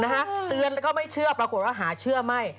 เตือนแล้วก็ไม่เชื่อปรากฏว่าหาเชื่อไม่